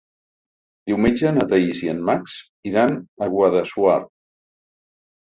Diumenge na Thaís i en Max iran a Guadassuar.